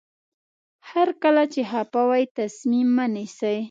هر کله چې خفه وئ تصمیم مه نیسئ.